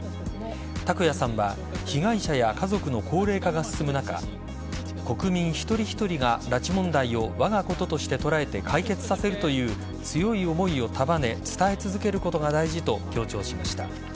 拓也さんは被害者や家族の高齢化が進む中国民一人一人が拉致問題をわが事として捉えて解決させるという強い思いを束ね伝え続けることが大事と強調しました。